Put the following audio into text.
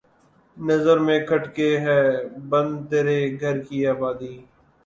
نظر میں کھٹکے ہے بن تیرے گھر کی آبادی